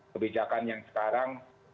kebijakan yang sekarang